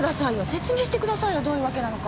説明してくださいよどういうわけなのか。